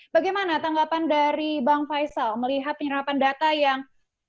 bagaimana tanggapan dari bang faisal melihat penyerapan data yang